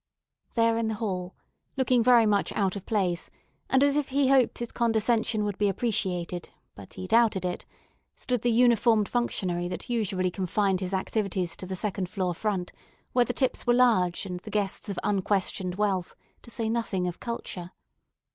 There in the hall, looking very much out of place, and as if he hoped his condescension would be appreciated, but he doubted it, stood the uniformed functionary that usually confined his activities to the second floor front, where the tips were large and the guests of unquestioned wealth, to say nothing of culture.